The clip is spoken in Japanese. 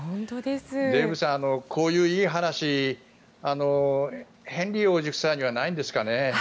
デーブさん、こういういい話ヘンリー王子夫妻にはないんですかね？